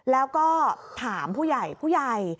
แล้วก็ถามผู้ใหญ่ผู้ใหญ่